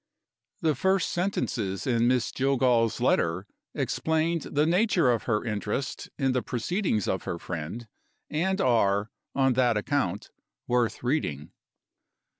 The first sentences in Miss Jillgall's letter explain the nature of her interest in the proceedings of her friend, and are, on that account, worth reading.